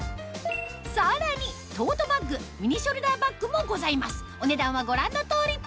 さらにトートバッグミニショルダーバッグもございますお値段はご覧の通り